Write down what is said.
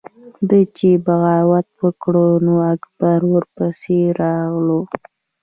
ده چې بغاوت وکړو نو اکبر ورپسې راغلو۔